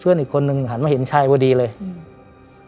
อีกคนนึงหันมาเห็นชายพอดีเลยอืม